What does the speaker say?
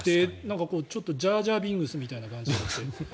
ちょっとジャージャー・ビングスみたいな感じで。